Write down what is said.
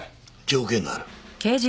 条件がある。